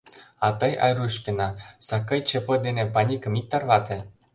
А тый, Айрушкина, сакый ЧП дене паникым ит тарвате!